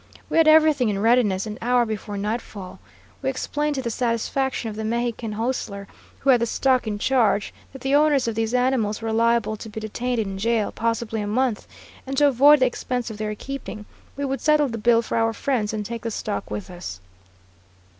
We had everything in readiness an hour before nightfall. We explained, to the satisfaction of the Mexican hostler who had the stock in charge, that the owners of these animals were liable to be detained in jail possibly a month, and to avoid the expense of their keeping, we would settle the bill for our friends and take the stock with us.